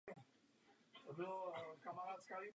V cestě mu leželo několik překážek.